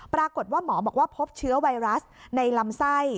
ปรากฏว่าหมอบอกว่าพบเชื้อไวรัสในลำไส้